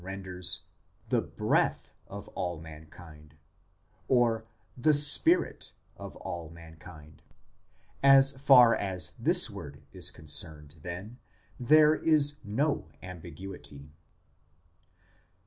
renders " the breath [marg. spirit ] of all mankind "). As far as this word is concerned, then, there is no ambiguity.